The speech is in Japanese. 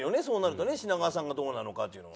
そうなるとね品川さんがどうなのかって。